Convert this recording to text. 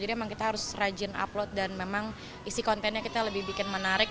jadi memang kita harus rajin upload dan memang isi kontennya kita lebih bikin menarik